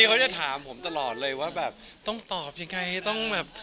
ก็จะถามผมตลอดเลยว่าต้องตอบยังไง